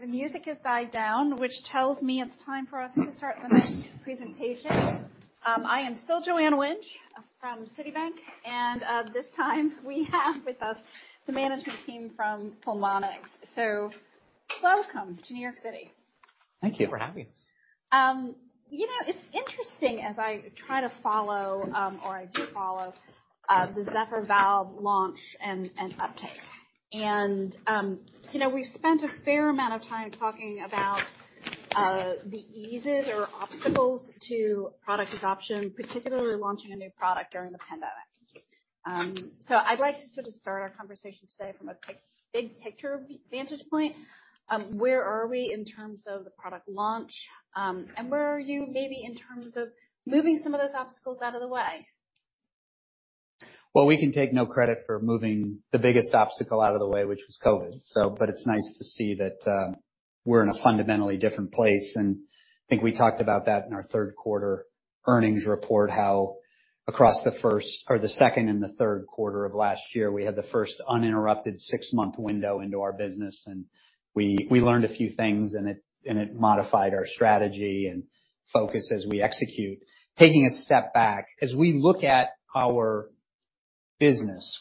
The music has died down, which tells me it's time for us to start the next presentation. I am still Joanne Wuensch from Citibank, and this time we have with us the management team from Pulmonx. Welcome to New York City. Thank you for having us. You know, it's interesting as I try to follow, or I do follow, the Zephyr valve launch and uptake. You know, we've spent a fair amount of time talking about the eases or obstacles to product adoption, particularly launching a new product during the pandemic. I'd like to sort of start our conversation today from a big picture vantage point. Where are we in terms of the product launch, and where are you maybe in terms of moving some of those obstacles out of the way? We can take no credit for moving the biggest obstacle out of the way, which was COVID. It's nice to see that we're in a fundamentally different place. I think we talked about that in our 3Q earnings report, how across the second and the 3Q of last year, we had the first uninterrupted six-month window into our business, and we learned a few things, and it modified our strategy and focus as we execute. Taking a step back, as we look at our business,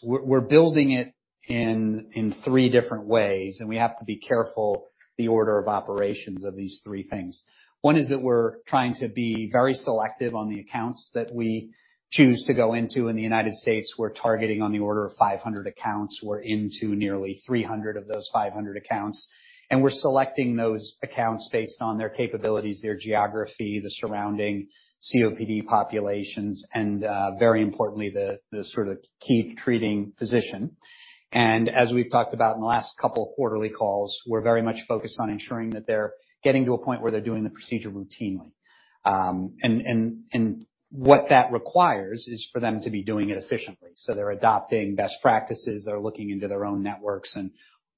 we're building it in three different ways, and we have to be careful the order of operations of these three things. 1 is that we're trying to be very selective on the accounts that we choose to go into. In the United States, we're targeting on the order of 500 accounts. We're into nearly 300 of those 500 accounts, and we're selecting those accounts based on their capabilities, their geography, the surrounding COPD populations, and very importantly, the sort of key treating physician. As we've talked about in the last couple of quarterly calls, we're very much focused on ensuring that they're getting to a point where they're doing the procedure routinely. What that requires is for them to be doing it efficiently. They're adopting best practices. They're looking into their own networks and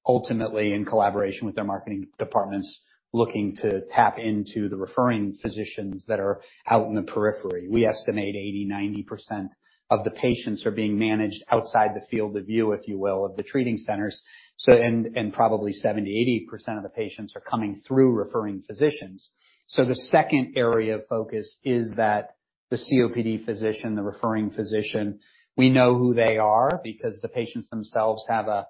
ultimately in collaboration with their marketing departments, looking to tap into the referring physicians that are out in the periphery. We estimate 80%-90% of the patients are being managed outside the field of view, if you will, of the treating centers. Probably 70%, 80% of the patients are coming through referring physicians. The second area of focus is that the COPD physician, the referring physician, we know who they are because the patients themselves have a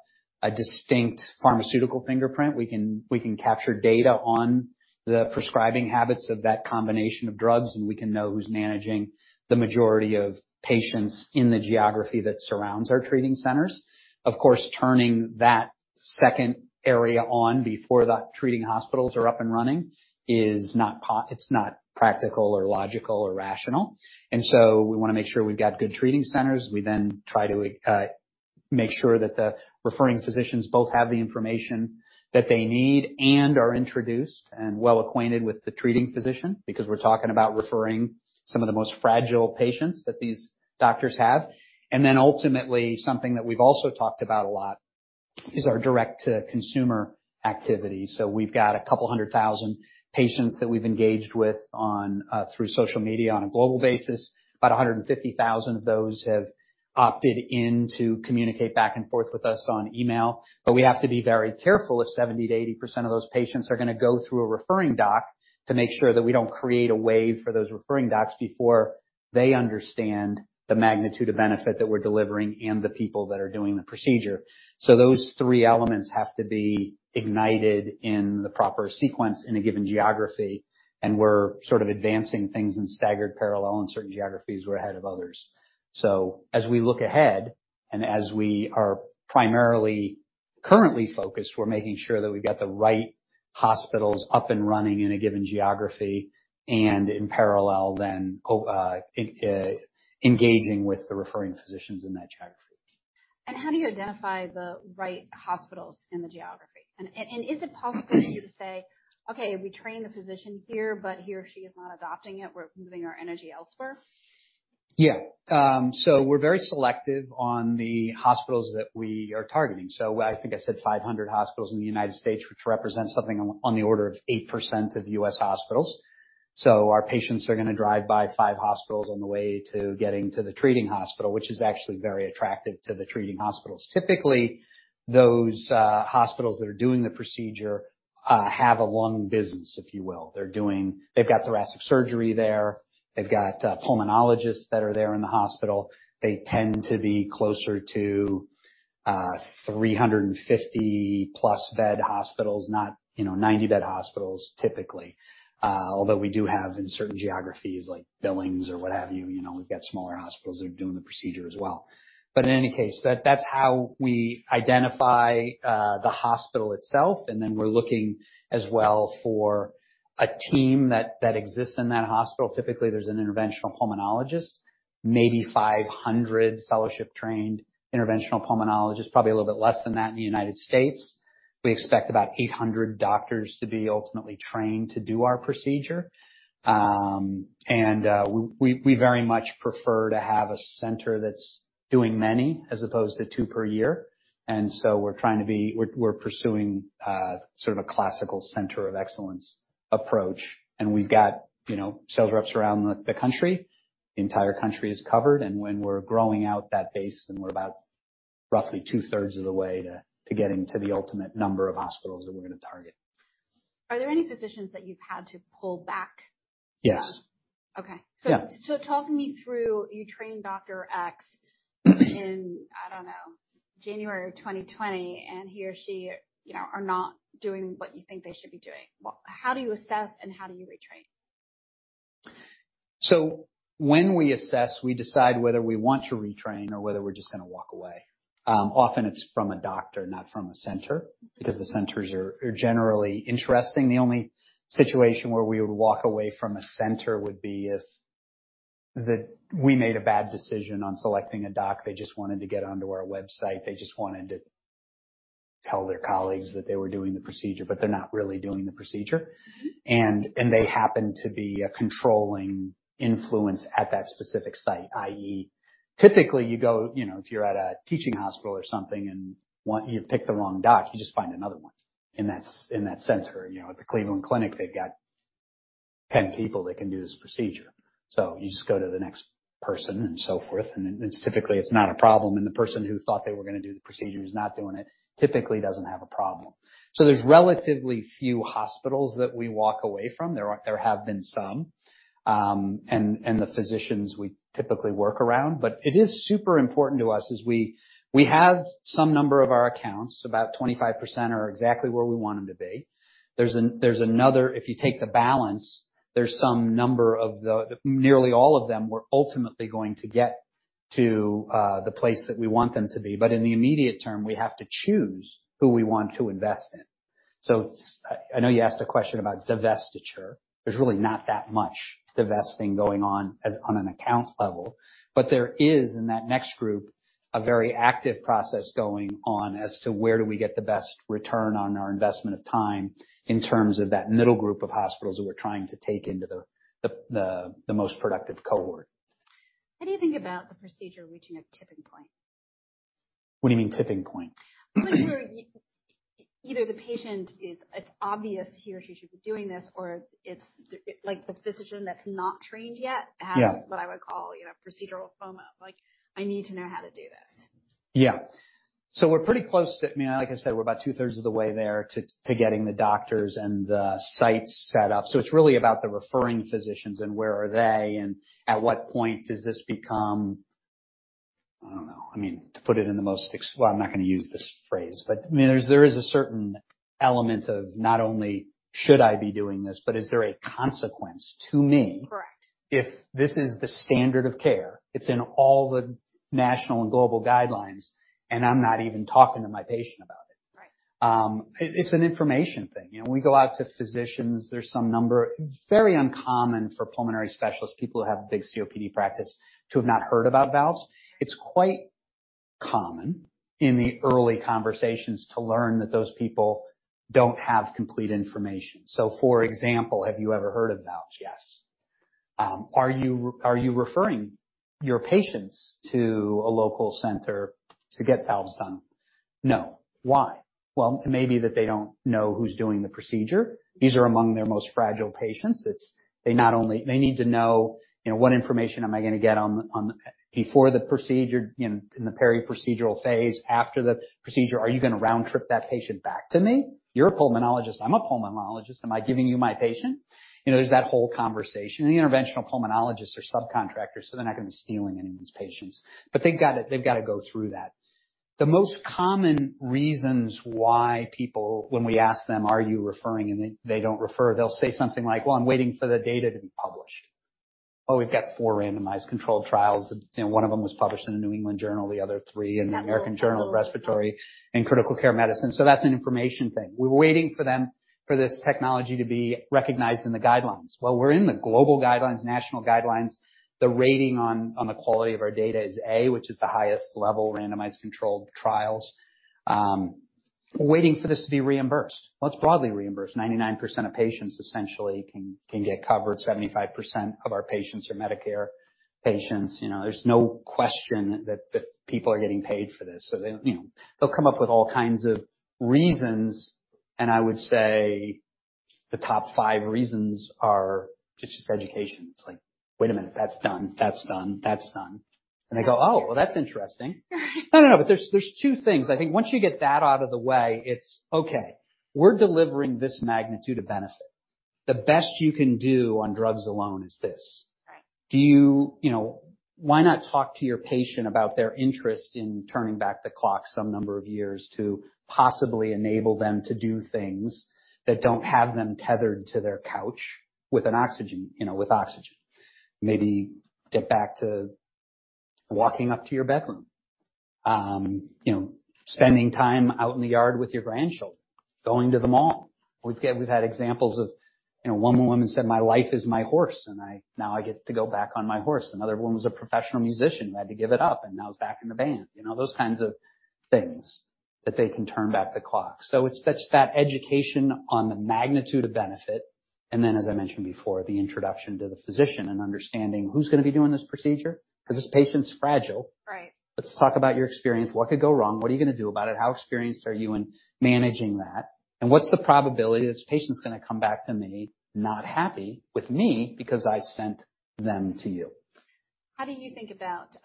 distinct pharmaceutical fingerprint. We can capture data on the prescribing habits of that combination of drugs, and we can know who's managing the majority of patients in the geography that surrounds our treating centers. Of course, turning that second area on before the treating hospitals are up and running is not practical or logical or rational. We wanna make sure we've got good treating centers. We try to make sure that the referring physicians both have the information that they need and are introduced and well acquainted with the treating physician because we're talking about referring some of the most fragile patients that these doctors have. We've got a couple 100,000 patients that we've engaged with on through social media on a global basis. About 150,000 of those have opted in to communicate back and forth with us on email. We have to be very careful if 70%-80% of those patients are gonna go through a referring doc to make sure that we don't create a wave for those referring docs before they understand the magnitude of benefit that we're delivering and the people that are doing the procedure. Those three elements have to be ignited in the proper sequence in a given geography, and we're sort of advancing things in staggered parallel. In certain geographies, we're ahead of others. As we look ahead and as we are primarily currently focused, we're making sure that we've got the right hospitals up and running in a given geography and in parallel than engaging with the referring physicians in that geography. How do you identify the right hospitals in the geography? Is it possible for you to say, "Okay, we trained the physician here, but he or she is not adopting it. We're moving our energy elsewhere"? Yeah. We're very selective on the hospitals that we are targeting. I think I said 500 hospitals in the United States, which represents something on the order of 8% of U.S. hospitals. Our patients are going to drive by five hospitals on the way to getting to the treating hospital, which is actually very attractive to the treating hospitals. Typically, those hospitals that are doing the procedure have a lung business, if you will. They've got thoracic surgery there. They've got pulmonologists that are there in the hospital. They tend to be closer to 350+ bed hospitals, not, you know, 90-bed hospitals typically. Although we do have in certain geographies like Billings or what have you know, we've got smaller hospitals that are doing the procedure as well. In any case, that's how we identify the hospital itself, and then we're looking as well for a team that exists in that hospital. Typically, there's an interventional pulmonologist, maybe 500 fellowship-trained interventional pulmonologists, probably a little bit less than that in the United States. We expect about 800 doctors to be ultimately trained to do our procedure. We very much prefer to have a center that's doing many as opposed to two per year. We're pursuing sort of a classical center of excellence approach. We've got, you know, sales reps around the country. Entire country is covered and when we're growing out that base, and we're about roughly two-thirds of the way to getting to the ultimate number of hospitals that we're gonna target. Are there any physicians that you've had to pull back? Yes. Okay. Yeah. Talk me through, you train Dr. X in, I don't know, January of 2020, and he or she, you know, are not doing what you think they should be doing. How do you assess, and how do you retrain? When we assess, we decide whether we want to retrain or whether we're just gonna walk away. Often it's from a doctor, not from a center, because the centers are generally interesting. The only situation where we would walk away from a center would be that we made a bad decision on selecting a doc. They just wanted to get onto our website. They just wanted to tell their colleagues that they were doing the procedure, but they're not really doing the procedure. They happen to be a controlling influence at that specific site, i.e., typically you go, you know, if you're at a teaching hospital or something. You've picked the wrong doc, you just find another one in that center. You know, at the Cleveland Clinic, they've got 10 people that can do this procedure. You just go to the next person and so forth. It's typically it's not a problem and the person who thought they were gonna do the procedure is not doing it, typically doesn't have a problem. There's relatively few hospitals that we walk away from. There have been some, and the physicians we typically work around. It is super important to us as we have some number of our accounts, about 25% are exactly where we want them to be. There's another. If you take the balance, there's some number of Nearly all of them we're ultimately going to get to the place that we want them to be, but in the immediate term, we have to choose who we want to invest in. I know you asked a question about divestiture. There's really not that much divesting going on as on an accounts level, but there is in that next group, a very active process going on as to where do we get the best return on our investment of time in terms of that middle group of hospitals that we're trying to take into the most productive cohort. How do you think about the procedure reaching a tipping point? What do you mean tipping point? Where either the patient is... It's obvious he or she should be doing this, or it's like, the physician that's not trained yet. Yeah. has what I would call, you know, procedural FOMO. Like, "I need to know how to do this. Yeah, we're pretty close to, I mean, like I said, we're about two-thirds of the way there to getting the doctors and the sites set up. It's really about the referring physicians and where are they, and at what point does this become, I don't know. I mean, to put it in the most Well, I'm not gonna use this phrase, but I mean, there is a certain element of not only should I be doing this, but is there a consequence to me... Correct. if this is the standard of care, it's in all the national and global guidelines, and I'm not even talking to my patient about it. Right. It's an information thing. You know, we go out to physicians, there's some number. Very uncommon for pulmonary specialists, people who have big COPD practice to have not heard about valves. It's quite common in the early conversations to learn that those people don't have complete information. For example, have you ever heard of valves? Yes. Are you referring your patients to a local center to get valves done? No. Why? Well, maybe that they don't know who's doing the procedure. These are among their most fragile patients. They need to know, you know, what information am I gonna get before the procedure in the peri-procedural phase, after the procedure, are you gonna round-trip that patient back to me? You're a pulmonologist, I'm a pulmonologist, am I giving you my patient? You know, there's that whole conversation. The interventional pulmonologists are subcontractors, so they're not gonna be stealing anyone's patients. They've gotta go through that. The most common reasons why people when we ask them, "Are you referring?" They don't refer, they'll say something like, "Well, I'm waiting for the data to be published." We've got four randomized controlled trials and, you know, one of them was published in The New England Journal, the other three in the American Journal of Respiratory and Critical Care Medicine. That's an information thing. We're waiting for this technology to be recognized in the guidelines. Well, we're in the global guidelines, national guidelines. The rating on the quality of our data is A, which is the highest level randomized controlled trials. We're waiting for this to be reimbursed. Well, it's broadly reimbursed. 99% of patients essentially can get covered. 75% of our patients are Medicare patients. You know, there's no question that people are getting paid for this. They, you know, they'll come up with all kinds of reasons, and I would say the top five reasons are just education. It's like, "Wait a minute, that's done, that's done, that's done." They go, "Oh, well, that's interesting." No, no, there two things. I think once you get that out of the way, it's okay, we're delivering this magnitude of benefit. The best you can do on drugs alone is this. Right. You know, why not talk to your patient about their interest in turning back the clock some number of years to possibly enable them to do things that don't have them tethered to their couch with oxygen. Maybe get back to walking up to your bedroom. You know, spending time out in the yard with your grandchildren, going to the mall. We've had examples of, you know, one woman said, "My life is my horse, and now I get to go back on my horse." Another woman's a professional musician who had to give it up and now is back in the band. You know, those kinds of things that they can turn back the clock. It's such that education on the magnitude of benefit, and then as I mentioned before, the introduction to the physician and understanding who's gonna be doing this procedure. 'Cause this patient's fragile. Let's talk about your experience. What could go wrong? What are you gonna do about it? How experienced are you in managing that? What's the probability this patient's gonna come back to me not happy with me because I sent them to you? How do you think about,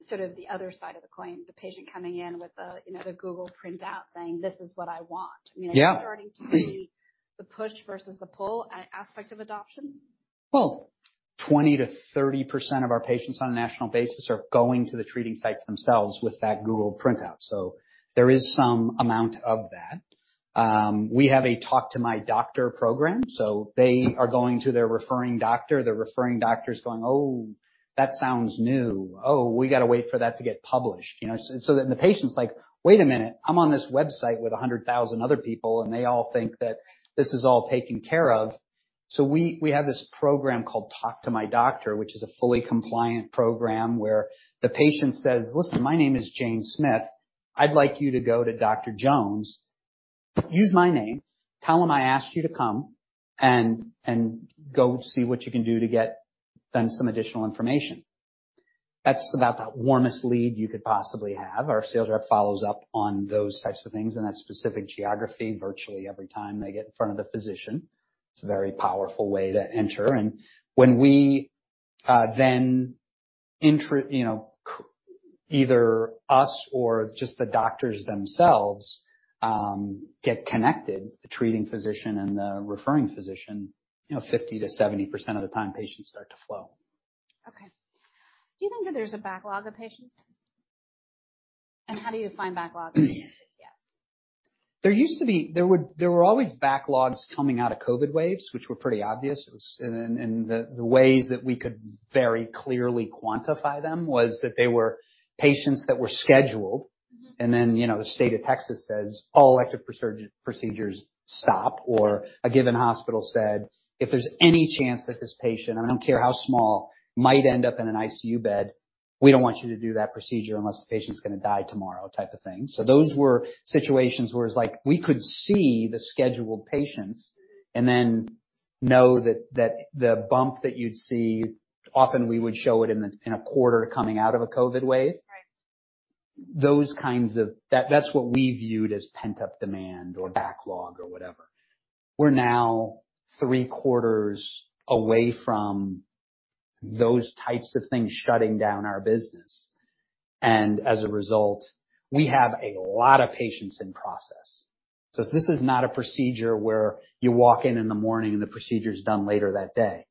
sort of the other side of the coin, the patient coming in with a, you know, the Google printout saying, "This is what I want. Yeah. I mean, are you starting to see the push versus the pull aspect of adoption? 20%-30% of our patients on a national basis are going to the treating sites themselves with that Google printout. There is some amount of that. We have a Talk to My Doctor program, they are going to their referring doctor, the referring doctor's going, "Oh, that sounds new. Oh, we gotta wait for that to get published." You know, the patient's like, "Wait a minute, I'm on this website with 100,000 other people, and they all think that this is all taken care of." We have this program called Talk to My Doctor, which is a fully compliant program where the patient says, "Listen, my name is Jane Smith. I'd like you to go to Dr. Jones. Use my name. Tell him I asked you to come, and go see what you can do to get them some additional information." That's about the warmest lead you could possibly have. Our sales rep follows up on those types of things in that specific geography virtually every time they get in front of the physician. It's a very powerful way to enter. When we, then you know, either us or just the doctors themselves, get connected, the treating physician and the referring physician, you know, 50%-70% of the time patients start to flow. Okay. Do you think that there's a backlog of patients? How do you define backlog, if the answer is yes? There were always backlogs coming out of COVID waves, which were pretty obvious. The ways that we could very clearly quantify them was that they were patients that were scheduled. Mm-hmm. Then, you know, the state of Texas says, "All elective procedures stop," or a given hospital said, "If there's any chance that this patient, and I don't care how small, might end up in an ICU bed, we don't want you to do that procedure unless the patient's gonna die tomorrow," type of thing. Those were situations where it's like we could see the scheduled patients-. Mm-hmm. know that the bump that you'd see, often we would show it in a, in a quarter coming out of a COVID wave. Right. That's what we viewed as pent-up demand or backlog or whatever. We're now three-quarters away from those types of things shutting down our business. As a result, we have a lot of patients in process. This is not a procedure where you walk in in the morning, and the procedure's done later that day.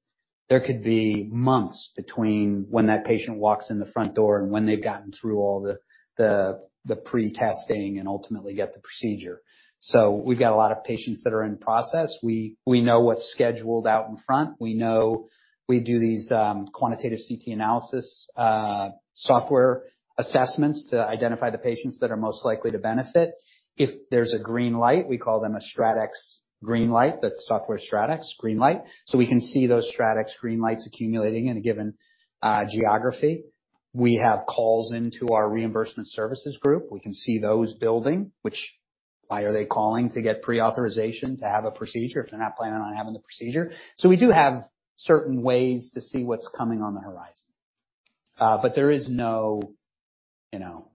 There could be months between when that patient walks in the front door and when they've gotten through all the pre-testing and ultimately get the procedure. We've got a lot of patients that are in process. We know what's scheduled out in front. We know. We do these quantitative CT analysis software assessments to identify the patients that are most likely to benefit. If there's a green light, we call them a StratX green light. That's software StratX green light. We can see those StratX green lights accumulating in a given geography. We have calls into our reimbursement services group. We can see those building, which why are they calling to get pre-authorization to have a procedure if they're not planning on having the procedure? We do have certain ways to see what's coming on the horizon. There is no, you know,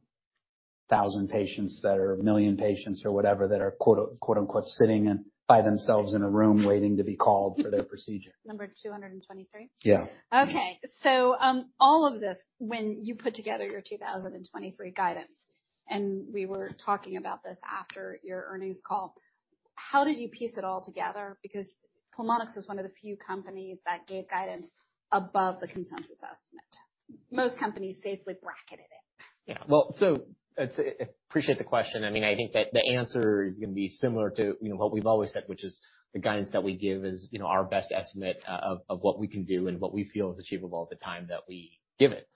1,000 patients or 1 million patients or whatever that are, quote, unquote, "sitting in by themselves in a room waiting to be called for their procedure. Number 223? Yeah. Okay. All of this, when you put together your 2023 guidance, and we were talking about this after your earnings call, how did you piece it all together? Pulmonx was one of the few companies that gave guidance above the consensus estimate. Most companies safely bracketed it. Well, appreciate the question. I mean, I think that the answer is gonna be similar to, you know, what we've always said, which is the guidance that we give is, you know, our best estimate of what we can do and what we feel is achievable at the time that we give it.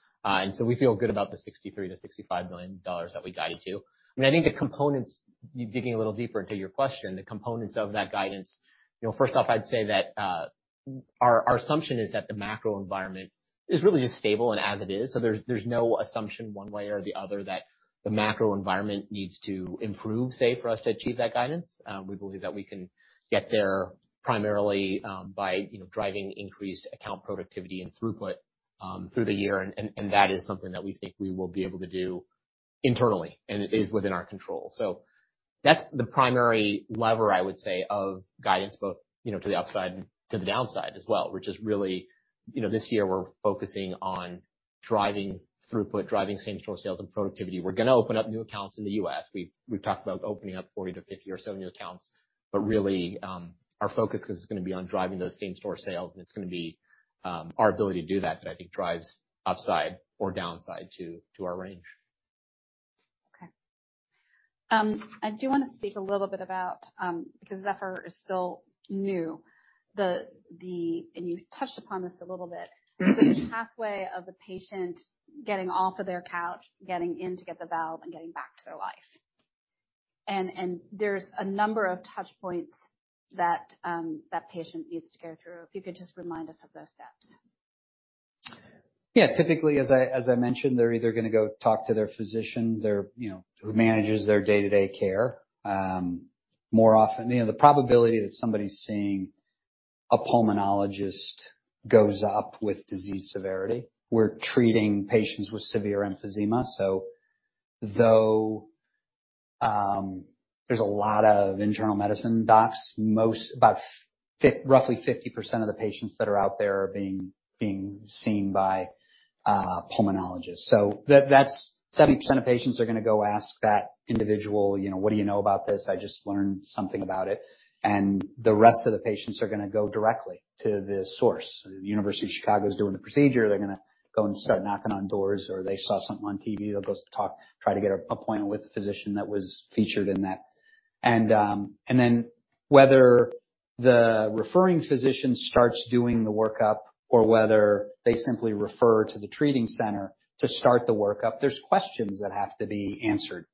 We feel good about the $63 million-$65 million that we guided to. I mean, I think the components, digging a little deeper into your question, the components of that guidance, you know, first off, I'd say that, our assumption is that the macro environment is really just stable and as it is. There's no assumption one way or the other that the macro environment needs to improve, say, for us to achieve that guidance. We believe that we can get there primarily, by, you know, driving increased account productivity and throughput through the year. That is something that we think we will be able to do internally, and it is within our control. That's the primary lever, I would say, of guidance, both, you know, to the upside, to the downside as well, which is really, you know, this year we're focusing on driving throughput, driving same-store sales and productivity. We're gonna open up new accounts in the U.S. We've talked about opening up 40 to 50 or so new accounts. Really, our focus is gonna be on driving those same-store sales, and it's gonna be our ability to do that I think drives upside or downside to our range. Okay. I do wanna speak a little bit about, because Zephyr is still new. You touched upon this a little bit. Mm-hmm. The pathway of the patient getting off of their couch, getting in to get the valve, and getting back to their life. There's a number of touch points that patient needs to go through. If you could just remind us of those steps. Typically, as I mentioned, they're either gonna go talk to their physician, their, you know, who manages their day-to-day care. More often, you know, the probability that somebody's seeing a pulmonologist goes up with disease severity. We're treating patients with severe emphysema. Though, there's a lot of internal medicine docs, roughly 50% of the patients that are out there are being seen by pulmonologists. That's 70% of patients are gonna go ask that individual, you know, "What do you know about this? I just learned something about it." The rest of the patients are gonna go directly to the source. The University of Chicago is doing a procedure. They're gonna go and start knocking on doors, or they saw something on TV. They'll go try to get an appointment with the physician that was featured in that. Whether the referring physician starts doing the workup or whether they simply refer to the treating center to start the workup, there's questions that have to be answered.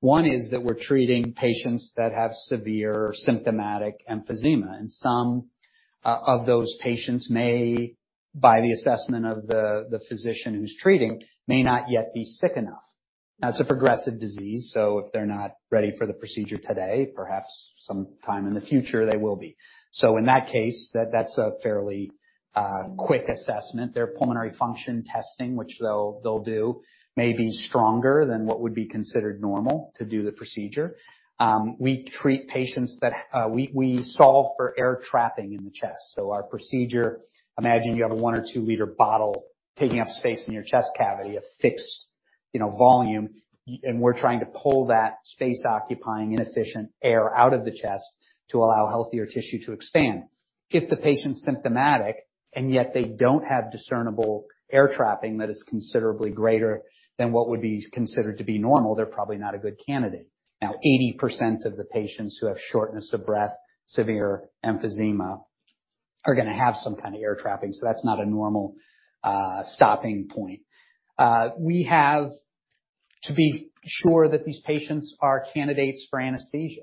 One is that we're treating patients that have severe symptomatic emphysema, and some of those patients may, by the assessment of the physician who's treating, may not yet be sick enough. It's a progressive disease, so if they're not ready for the procedure today, perhaps sometime in the future, they will be. In that case, that's a fairly quick assessment. Their pulmonary function testing, which they'll do, may be stronger than what would be considered normal to do the procedure. We treat patients that. We solve for air trapping in the chest. Our procedure, imagine you have a one or two liter bottle taking up space in your chest cavity, a fixed, you know, volume, and we're trying to pull that space-occupying inefficient air out of the chest to allow healthier tissue to expand. If the patient's symptomatic and yet they don't have discernible air trapping that is considerably greater than what would be considered to be normal, they're probably not a good candidate. Now, 80% of the patients who have shortness of breath, severe emphysema, are gonna have some kind of air trapping, so that's not a normal stopping point. We have to be sure that these patients are candidates for anesthesia.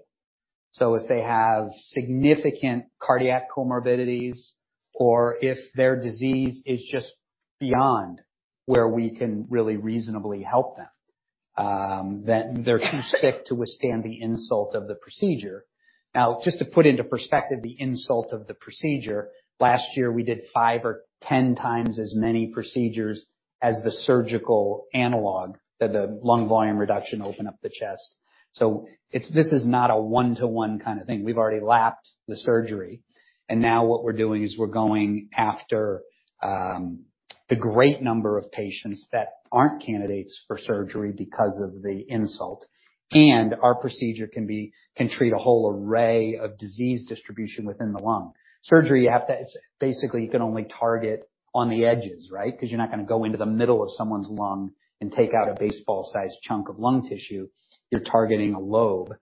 If they have significant cardiac comorbidities or if their disease is just beyond where we can really reasonably help them, then they're too sick to withstand the insult of the procedure. Just to put into perspective the insult of the procedure, last year we did five or 10 times as many procedures as the surgical analog, the lung volume reduction, open up the chest. This is not a 1-to-1 kind of thing. We've already lapped the surgery. Now what we're doing is we're going after the great number of patients that aren't candidates for surgery because of the insult. Our procedure can treat a whole array of disease distribution within the lung. Surgery, you have to. It's basically, you can only target on the edges, right? 'Cause you're not gonna go into the middle of someone's lung and take out a baseball-sized chunk of lung tissue. You're targeting a lobe,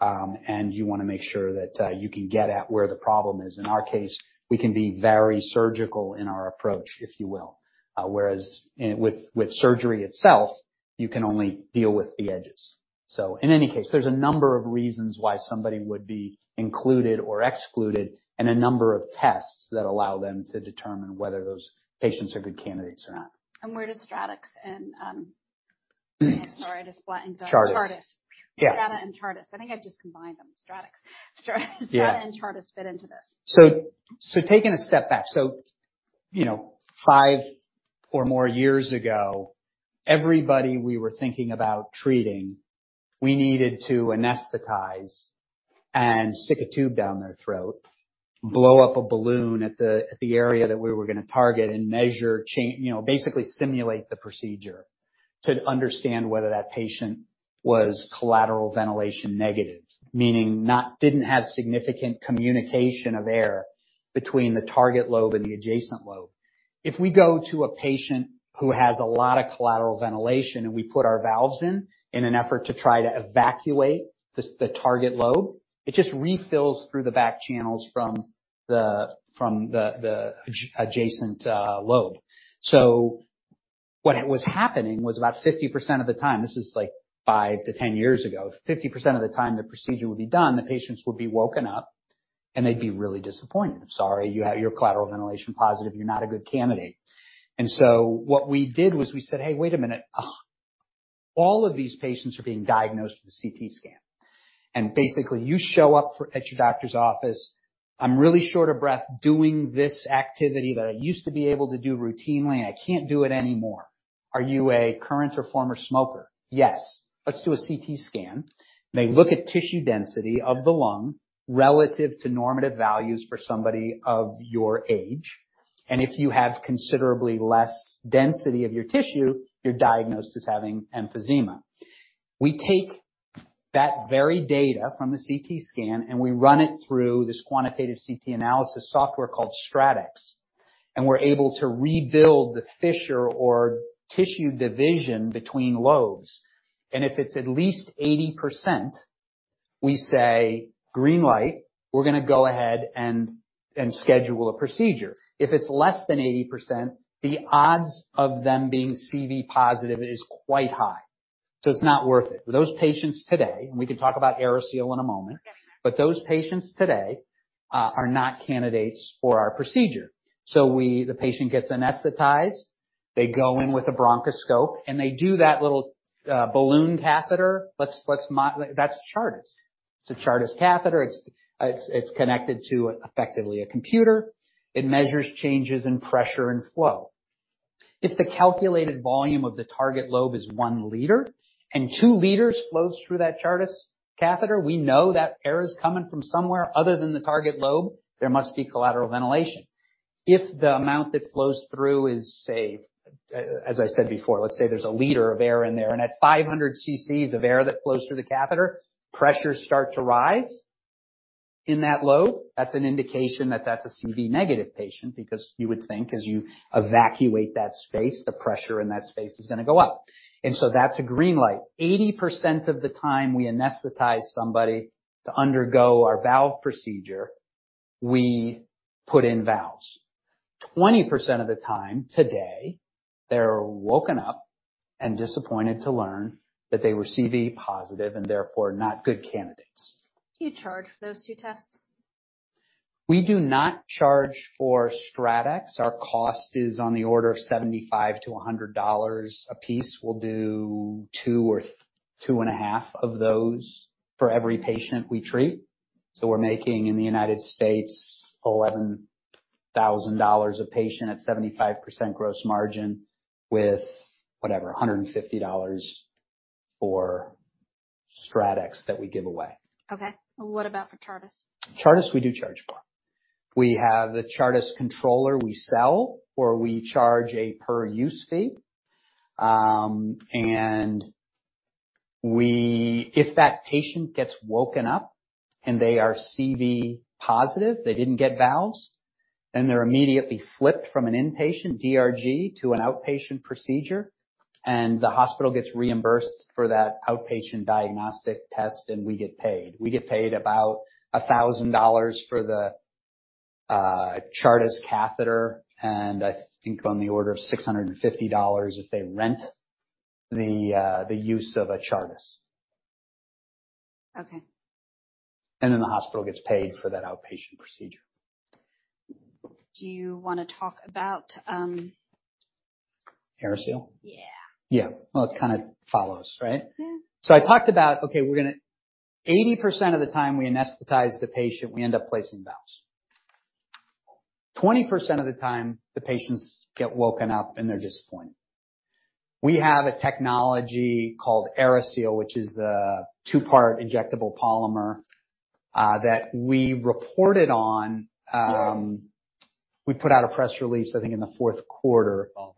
and you wanna make sure that you can get at where the problem is. In our case, we can be very surgical in our approach, if you will. whereas with surgery itself, you can only deal with the edges. In any case, there's a number of reasons why somebody would be included or excluded, and a number of tests that allow them to determine whether those patients are good candidates or not. Where does StratX and, I'm sorry, I just flattened. Chartis. Chartis. Yeah. StratX and Chartis. I think I've just combined them. StratX. StratX and Chartis fit into this. Taking a step back. You know, five or more years ago, everybody we were thinking about treating, we needed to anesthetize and stick a tube down their throat, blow up a balloon at the area that we were gonna target and measure. You know, basically simulate the procedure to understand whether that patient was collateral ventilation negative, meaning didn't have significant communication of air between the target lobe and the adjacent lobe. If we go to a patient who has a lot of collateral ventilation, and we put our valves in in an effort to try to evacuate the target lobe, it just refills through the back channels from the, from the adjacent lobe. What it was happening was about 50% of the time, this is like five to 10 years ago, 50% of the time the procedure would be done, the patients would be woken up, and they'd be really disappointed. "Sorry, you're collateral ventilation positive. You're not a good candidate." What we did was we said, "Hey, wait a minute. All of these patients are being diagnosed with a CT scan." Basically, at your doctor's office, "I'm really short of breath doing this activity that I used to be able to do routinely. I can't do it anymore." "Are you a current or former smoker?" "Yes." "Let's do a CT scan." They look at tissue density of the lung relative to normative values for somebody of your age, and if you have considerably less density of your tissue, you're diagnosed as having emphysema. We take that very data from the CT scan, and we run it through this quantitative CT analysis software called StratX, and we're able to rebuild the fissure or tissue division between lobes. If it's at least 80%, we say, "Green light. We're gonna go ahead and schedule a procedure." If it's less than 80%, the odds of them being CV positive is quite high, so it's not worth it. Those patients today, and we can talk about AeriSeal in a moment. Yes. Those patients today are not candidates for our procedure. The patient gets anesthetized. They go in with a bronchoscope and they do that little balloon catheter. That's Chartis. It's a Chartis catheter. It's connected to effectively a computer. It measures changes in pressure and flow. If the calculated volume of the target lobe is one liter and two liters flows through that Chartis catheter, we know that air is coming from somewhere other than the target lobe, there must be collateral ventilation. If the amount that flows through is, say, as I said before, let's say there's a liter of air in there, and at 500 cc's of air that flows through the catheter, pressures start to rise in that lobe, that's an indication that that's a CV negative patient, because you would think as you evacuate that space, the pressure in that space is gonna go up. That's a green light. 80% of the time we anesthetize somebody to undergo our valve procedure, we put in valves. 20% of the time today, they're woken up and disappointed to learn that they were CV positive and therefore not good candidates. Do you charge for those two tests? We do not charge for StratX. Our cost is on the order of $75-$100 a piece. We'll do two or two and a half of those for every patient we treat. We're making in the United States $11,000 a patient at 75% gross margin with whatever, $150 for StratX that we give away. Okay. What about for Chartis? Chartis, we do charge for. We have the Chartis controller we sell, or we charge a per-use fee. If that patient gets woken up and they are CV positive, they didn't get valves, then they're immediately flipped from an inpatient DRG to an outpatient procedure, and the hospital gets reimbursed for that outpatient diagnostic test, and we get paid. We get paid about $1,000 for the Chartis catheter, and I think on the order of $650 if they rent the use of a Chartis. Okay. The hospital gets paid for that outpatient procedure. Do you wanna talk about... AeriSeal? Yeah. Yeah. Well, it kinda follows, right? Yeah. 80% of the time we anesthetize the patient, we end up placing valves. 20% of the time, the patients get woken up, and they're disappointed. We have a technology called AeriSeal, which is a two-part injectable polymer that we reported on. We put out a press release, I think, in the fourth quarter. Fall.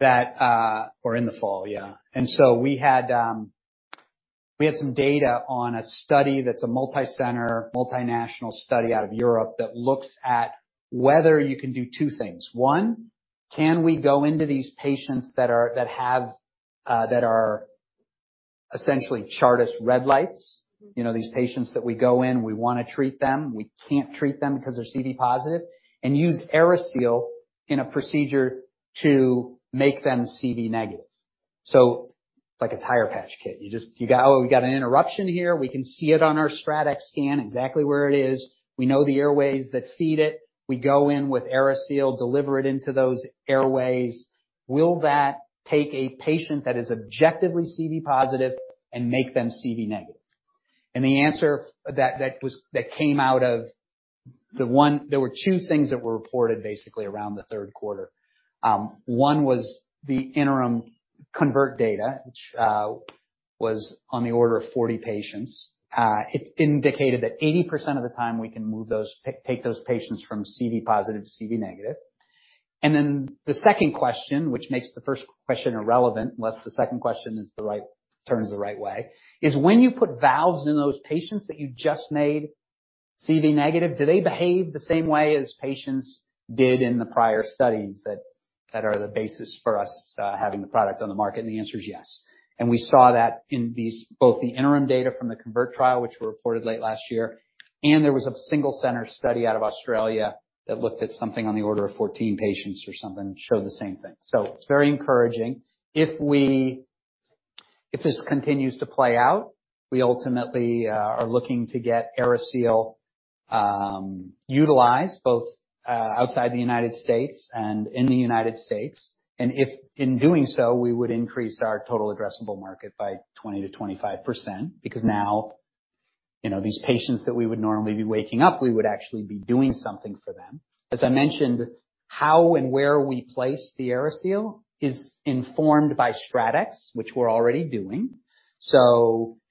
That or in the fall, yeah. We had some data on a study that's a multi-center, multinational study out of Europe that looks at whether you can do two things. One, can we go into these patients that are, that have, that are essentially Chartis red lights? You know, these patients that we go in, we wanna treat them, we can't treat them because they're CV positive, and use AeriSeal in a procedure to make them CV negative. It's like a tire patch kit. You just, you go, "Oh, we got an interruption here." We can see it on our StratX scan exactly where it is. We know the airways that feed it. We go in with AeriSeal, deliver it into those airways. Will that take a patient that is objectively CV positive and make them CV negative? The answer that came out of the one. There were two things that were reported basically around the 3Q. One was the interim CONVERT data, which was on the order of 40 patients. It indicated that 80% of the time we can take those patients from CV positive to CV negative. The second question, which makes the first question irrelevant, unless the second question turns the right way, is when you put valves in those patients that you just made CV negative, do they behave the same way as patients did in the prior studies that are the basis for us having the product on the market? The answer is yes. We saw that in both the interim data from the CONVERT trial, which were reported late last year, and there was a single center study out of Australia that looked at something on the order of 14 patients or something, showed the same thing. It's very encouraging. If this continues to play out, we ultimately are looking to get AeriSeal utilized both outside the United States and in the United States. If in doing so, we would increase our total addressable market by 20%-25%, because now, you know, these patients that we would normally be waking up, we would actually be doing something for them. As I mentioned, how and where we place the AeriSeal is informed by StratX, which we're already doing.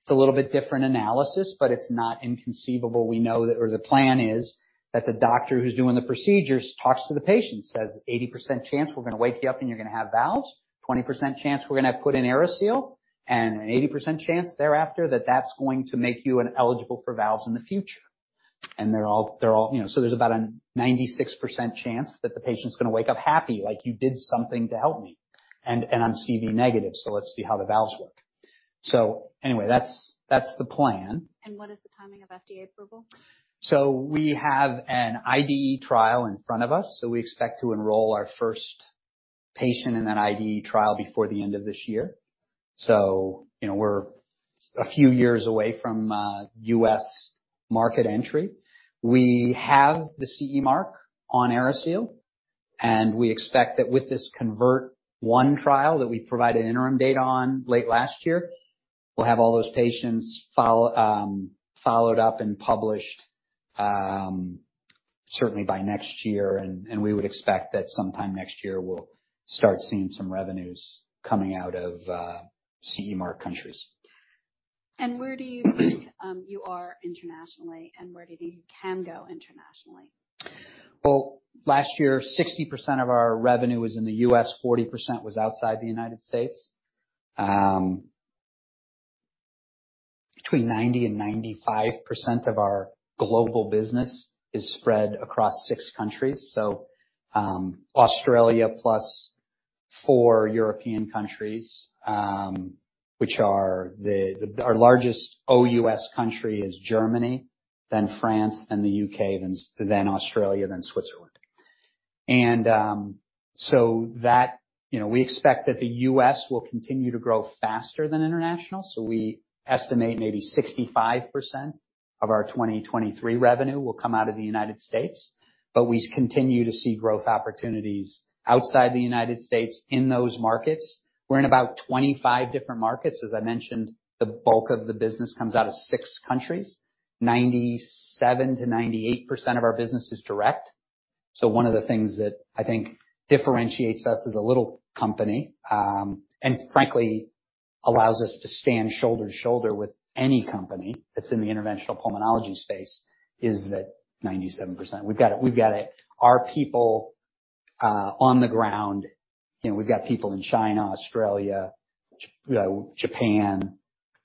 It's a little bit different analysis, but it's not inconceivable. We know that or the plan is that the doctor who's doing the procedures talks to the patient, says, "80% chance we're gonna wake you up, and you're gonna have valves. 20% chance we're gonna put in AeriSeal, and an 80% chance thereafter that that's going to make you ineligible for valves in the future." And they're all... You know, so there's about a 96% chance that the patient's gonna wake up happy, like, "You did something to help me. And I'm CV negative, so let's see how the valves work." Anyway, that's the plan. what is the timing of FDA approval? We have an IDE trial in front of us, so we expect to enroll our first patient in that IDE trial before the end of this year. You know, we're a few years away from U.S. market entry. We have the CE mark on AeriSeal, and we expect that with this CONVERT-1 trial that we provided interim data on late last year, we'll have all those patients follow followed up and published certainly by next year. We would expect that sometime next year we'll start seeing some revenues coming out of CE mark countries. Where you are internationally, and where do you think you can go internationally? Well, last year, 60% of our revenue was in the US, 40% was outside the United States. Between 90% and 95% of our global business is spread across six countries. Australia plus four European countries, our largest OUS country is Germany, then France, then the UK, then Australia, then Switzerland. That, you know, we expect that the US will continue to grow faster than international. We estimate maybe 65% of our 2023 revenue will come out of the United States, but we continue to see growth opportunities outside the United States in those markets. We're in about 25 different markets. As I mentioned, the bulk of the business comes out of six countries. 97%-98% of our business is direct. One of the things that I think differentiates us as a little company, and frankly allows us to stand shoulder to shoulder with any company that's in the interventional pulmonology space is that 97%. We've got it. Our people on the ground. You know, we've got people in China, Australia, Japan,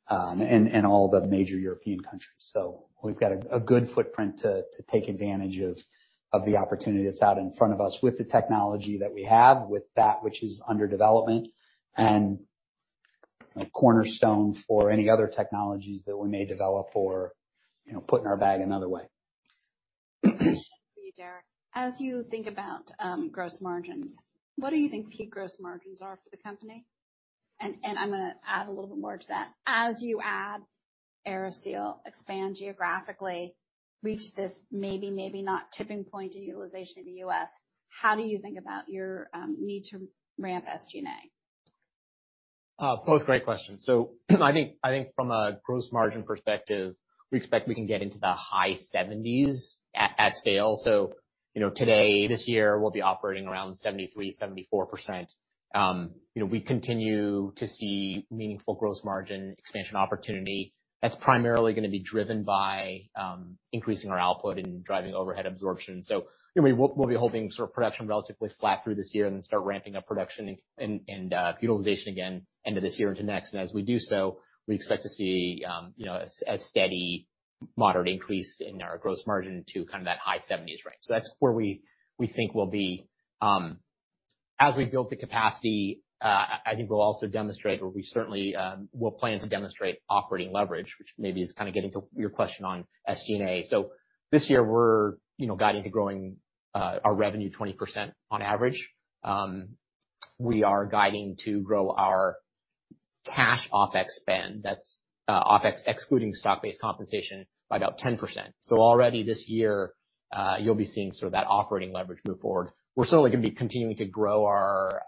and all the major European countries. We've got a good footprint to take advantage of the opportunity that's out in front of us with the technology that we have, with that which is under development and a cornerstone for any other technologies that we may develop or, you know, put in our bag another way. For you, Derrick. As you think about gross margins, what do you think peak gross margins are for the company? I'm gonna add a little bit more to that. As you add AeriSeal, expand geographically, reach this maybe not tipping point in utilization in the US, how do you think about your need to ramp SG&A? Both great questions. I think, I think from a gross margin perspective, we expect we can get into the high seventies at scale. You know, today, this year, we'll be operating around 73%, 74%. You know, we continue to see meaningful gross margin expansion opportunity that's primarily gonna be driven by, increasing our output and driving overhead absorption. You know, we'll be holding sort of production relatively flat through this year and then start ramping up production and utilization again end of this year into next. As we do so, we expect to see, you know, a steady moderate increase in our gross margin to kind of that high seventies range. That's where we think we'll be. As we build the capacity, I think we'll also demonstrate, or we certainly will plan to demonstrate operating leverage, which maybe is kind of getting to your question on SG&A. This year we're, you know, guiding to growing our revenue 20% on average. We are guiding to grow our cash OPEX spend, that's OPEX excluding stock-based compensation by about 10%. Already this year, you'll be seeing sort of that operating leverage move forward. We're certainly gonna be continuing to grow our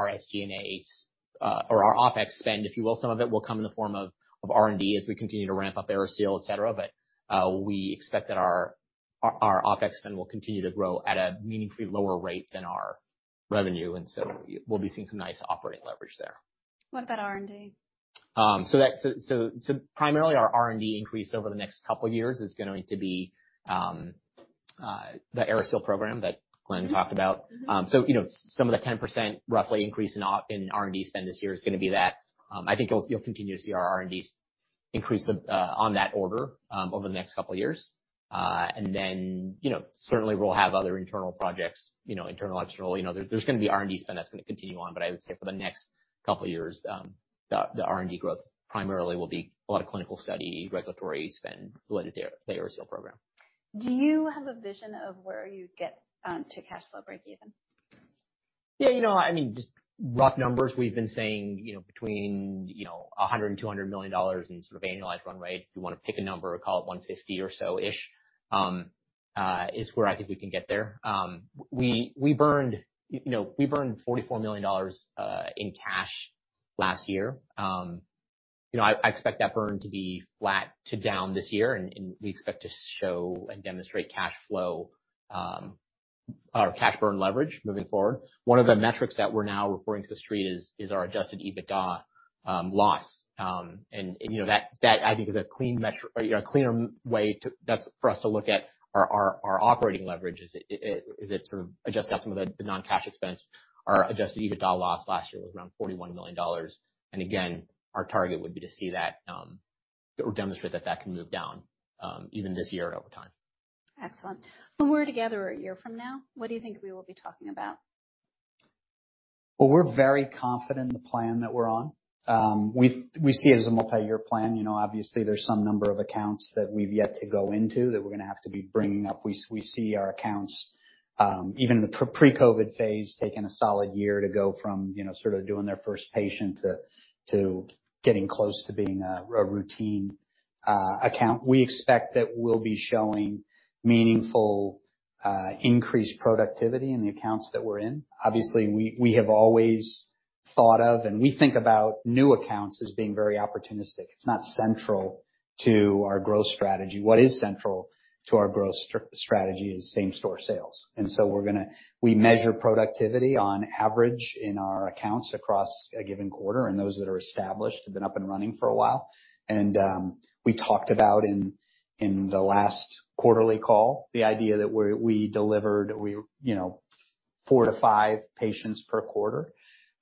SG&As, or our OPEX spend, if you will. Some of it will come in the form of R&D as we continue to ramp up AeriSeal, et cetera. We expect that our OPEX spend will continue to grow at a meaningfully lower rate than our revenue, and so we'll be seeing some nice operating leverage there. What about R&D? Primarily our R&D increase over the next couple of years is going to be the AeriSeal program that Glen talked about. You know, some of the 10% roughly increase in R&D spend this year is gonna be that. I think you'll continue to see our R&D increase on that order over the next couple of years. You know, certainly we'll have other internal projects, you know, internal, external, you know, there's gonna be R&D spend that's going to continue on. I would say for the next couple of years, the R&D growth primarily will be a lot of clinical study, regulatory spend related to the AeriSeal program. Do you have a vision of where you get to cash flow breakeven? Yeah, you know, I mean, just rough numbers we've been saying, you know, between, you know, $100 million-$200 million in sort of annualized run rate. If you want to pick a number or call it 150 or so-ish, is where I think we can get there. We burned, you know, we burned $44 million in cash last year. You know, I expect that burn to be flat to down this year, we expect to show and demonstrate cash flow or cash burn leverage moving forward. One of the metrics that we're now reporting to The Street is our Adjusted EBITDA loss. You know, that I think is a clean metric that's for us to look at our operating leverage. Is it sort of adjusted out some of the non-cash expense? Our Adjusted EBITDA loss last year was around $41 million. Again, our target would be to see that, or demonstrate that that can move down, even this year and over time. Excellent. When we're together a year from now, what do you think we will be talking about? Well, we're very confident in the plan that we're on. We see it as a multi-year plan. You know, obviously there's some number of accounts that we've yet to go into that we're gonna have to be bringing up. We see our accounts, even in the pre-COVID phase, taking a solid year to go from, you know, sort of doing their first patient to getting close to being a routine account. We expect that we'll be showing meaningful increased productivity in the accounts that we're in. Obviously, we have always thought of, and we think about new accounts as being very opportunistic. It's not central to our growth strategy. What is central to our growth strategy is same store sales. We measure productivity on average in our accounts across a given quarter. Those that are established have been up and running for a while. We talked about in the last quarterly call the idea that we delivered, you know, four to five patients per quarter.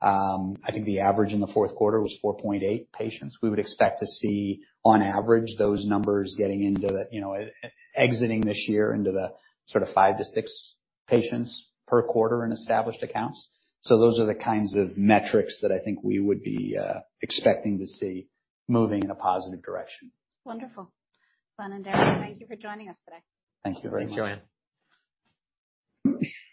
I think the average in the fourth quarter was 4.8 patients. We would expect to see, on average, those numbers getting into, you know, exiting this year into the sort of five to six patients per quarter in established accounts. Those are the kinds of metrics that I think we would be expecting to see moving in a positive direction. Wonderful. Glen and Derrick, thank you for joining us today. Thank you very much. Thanks, Joanne.